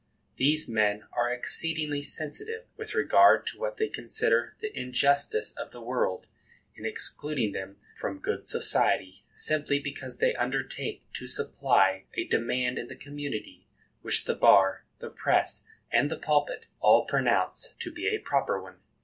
These men are exceedingly sensitive with regard to what they consider the injustice of the world in excluding them from good society, simply because they undertake to supply a demand in the community which the bar, the press and the pulpit, all pronounce to be a proper one.